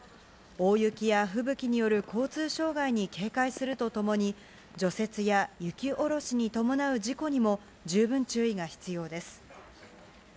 大雪や吹雪による交通障害に警戒するとともに、除雪や雪おろしに伴う事故にも十分注意が必要です。